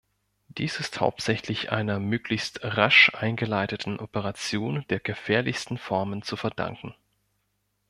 Dies ist hauptsächlich einer möglichst rasch eingeleiteten Operation der gefährlichsten Formen zu verdanken.